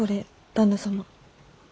旦那様。